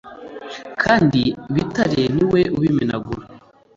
kandi ibitare ni we ubimenagura.